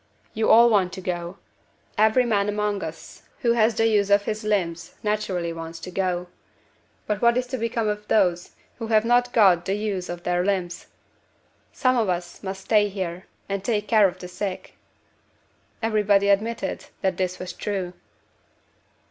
You all want to go. Every man among us who has the use of his limbs naturally wants to go. But what is to become of those who have not got the use of their limbs? Some of us must stay here, and take care of the sick." Everybody admitted that this was true.